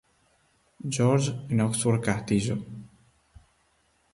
George en Oxford Castillo.